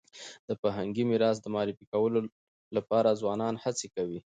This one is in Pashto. د فرهنګي میراث د معرفي کولو لپاره ځوانان هڅي کوي